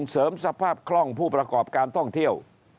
เสริมสภาพคล่องผู้ประกอบการท่องเที่ยว